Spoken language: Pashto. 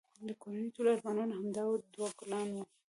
د کورنی ټول ارمانونه همدا دوه ګلان وه